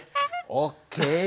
ＯＫ。